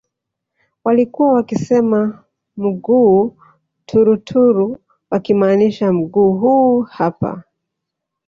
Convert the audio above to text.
Walkuwa wakisema Mughuu turuturu wakimaanisha mguu huu hapa